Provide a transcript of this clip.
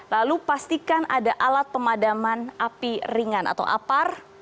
lalu pastikan ada alat pemadaman api ringan atau apar